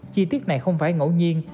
chi tiết này không phải ngẫu nhiên